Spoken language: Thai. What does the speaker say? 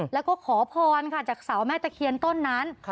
แล้วก็ขอพรค่ะจากเสาแม่ตะเคียนต้นนั้น